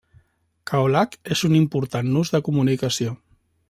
Kaolack és un important nus de comunicació.